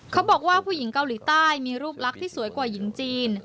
เขาบอกว่าผู้หญิงเกาหลีใต้มีรูปลักษณ์ที่สวยกว่าหญิงจีน